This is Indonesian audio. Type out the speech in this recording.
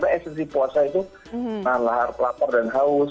karena esensi puasa itu lahar lapar dan haus